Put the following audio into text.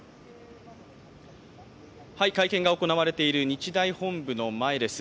会見が行われている日大本部の前です。